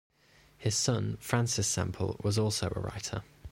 His son, Francis Sempill, was also a writer.